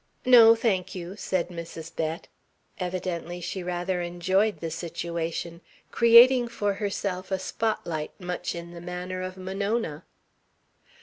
"No, thank you," said Mrs. Bett. Evidently she rather enjoyed the situation, creating for herself a spot light much in the manner of Monona.